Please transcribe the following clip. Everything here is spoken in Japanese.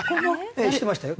ええしてましたよ。